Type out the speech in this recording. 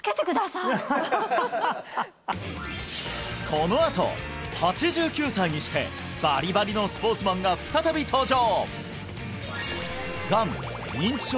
このあと８９歳にしてバリバリのスポーツマンが再び登場！